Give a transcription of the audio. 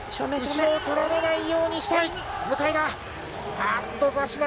後ろ取られないようにしたい向田。